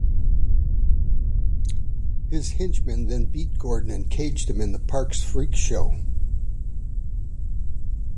His henchmen then beat Gordon and cage him in the park's freak show.